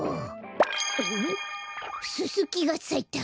ススキがさいた！